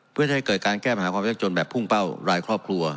เพื่อจะให้เกิดการแก้ปัญหาความยากจนแบบพุ่งเป้ารายครอบครัว